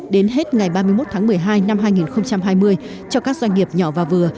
đến hết ngày ba mươi một tháng một mươi hai năm hai nghìn hai mươi cho các doanh nghiệp nhỏ và vừa